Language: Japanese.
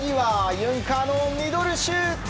ユンカーのミドルシュート。